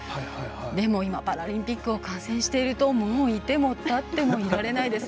でも今、パラリンピックを観戦しているともういてもたってもいられないです。